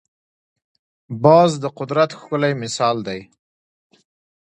باز د قدرت ښکلی مثال دی